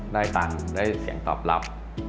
ได้ตังค์ได้เสียงตอบรับ